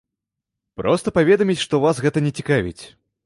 Проста паведаміць, што вас гэта не цікавіць.